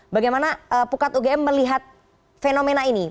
bagaimana pukat ugm melihat fenomena ini